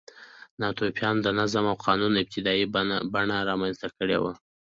ناتوفیانو د نظم او قانون ابتدايي بڼه رامنځته کړې وه.